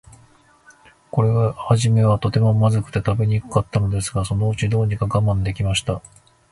これははじめは、とても、まずくて食べにくかったのですが、そのうちに、どうにか我慢できました。